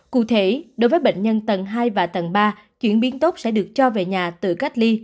cụ thể đối với bệnh nhân tầng hai và tầng ba chuyển biến tốt sẽ được cho về nhà tự cách ly